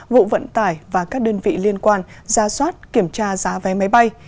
vụ vận tải và các đơn vị liên quan ra soát kiểm tra giá vé máy bay